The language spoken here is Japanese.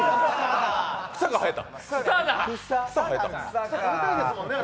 草生えた。